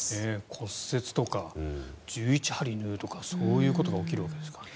骨折とか１１針縫うとかそういうことが起きるわけですからね。